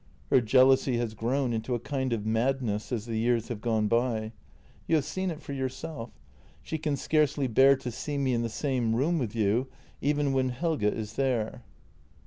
" Her jealousy has grown into a kind of madness as the years have gone by. You have seen it for yourself. She can scarcely bear to see me in the same room with you even when Helge is there."